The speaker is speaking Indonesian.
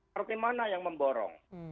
partai mana yang memborong